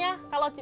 ya apa sekolahnya